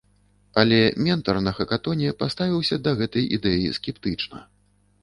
Але ментар на хакатоне паставіўся да гэтай ідэі скептычна.